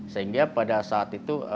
sehingga pada saat itu